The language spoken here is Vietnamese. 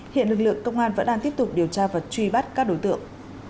hiện lực lượng công an vẫn đang tiếp tục điều tra và truy bắt các đối tượng